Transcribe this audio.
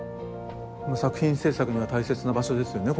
作品制作には大切な場所ですよね